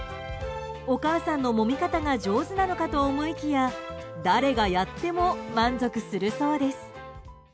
お母さんのもみ方が上手なのかと思いきや誰がやっても満足するそうです。